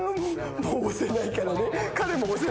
もう押せないからね。